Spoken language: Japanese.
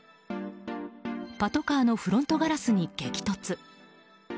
パトカーのフロントガラスに激突。